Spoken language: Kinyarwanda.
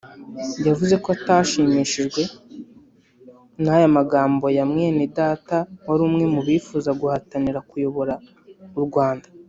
yavuze ko atashimishijwe n’aya magambo ya Mwenedata wari umwe mu bifuza guhatanira kuyobora u Rwanda